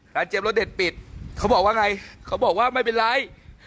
เจี๊ยรสเด็ดปิดเขาบอกว่าไงเขาบอกว่าไม่เป็นไร